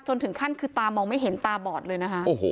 ถึงขั้นคือตามองไม่เห็นตาบอดเลยนะคะ